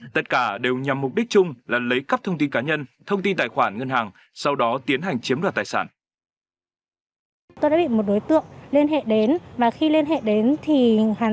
tất cả đều nhằm mục đích chung là lấy cắp thông tin cá nhân thông tin tài khoản ngân hàng sau đó tiến hành chiếm đoạt tài sản